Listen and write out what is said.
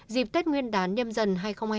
dịp tết nguyên đán nhâm dần hai nghìn hai mươi